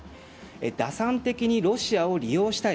打算的にロシアを利用したい。